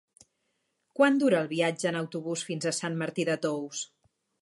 Quant dura el viatge en autobús fins a Sant Martí de Tous?